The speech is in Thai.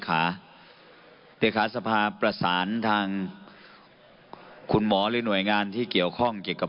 ค่าเดี๋ยวขามสารทางคุณหมอหรือหน่วยงานที่เกี่ยวข้องเกี่ยวกับ